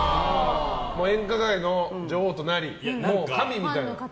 演歌界の女王となり神みたいな。